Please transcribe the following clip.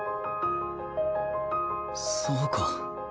そうか